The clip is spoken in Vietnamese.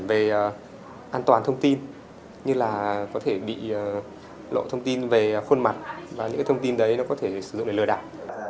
về an toàn thông tin như là có thể bị lộ thông tin về khuôn mặt và những cái thông tin đấy nó có thể sử dụng để lừa đảo